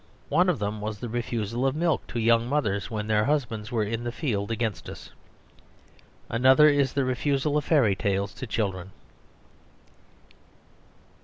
One of them was the refusal of milk to young mothers when their husbands were in the field against us. Another is the refusal of fairy tales to children.